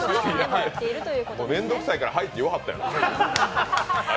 面倒くさいから「はい」って言わはったんやろな